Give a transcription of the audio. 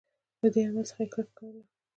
له دې عمل څخه یې کرکه کوله.